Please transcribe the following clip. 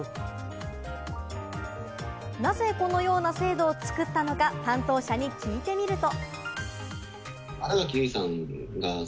なぜこのような制度を作ったのか、担当者に聞いてみると。